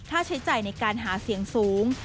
ใช้จ่ายในการหาเสียงสูง